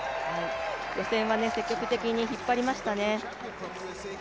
予選は積極的に引っ張りましたね。